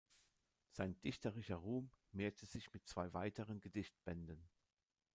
Sein dichterischer Ruhm mehrte sich mit zwei weiteren Gedichtbänden.